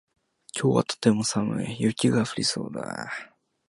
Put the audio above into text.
今日はとても寒い。雪が降りそうだ。